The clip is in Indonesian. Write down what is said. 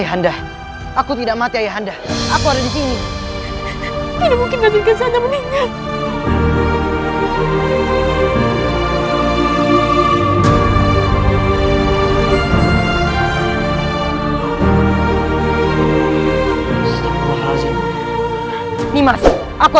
aku akan memberikan hawa murniku